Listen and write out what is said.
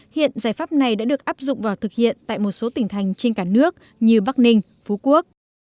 hiện giải pháp này đã được áp dụng vào thực hiện tại một số tỉnh thành trên cả nước như bắc ninh phú quốc